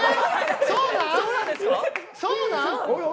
そうなん？